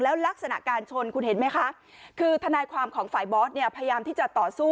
แล้วลักษณะการชนคุณเห็นไหมคะ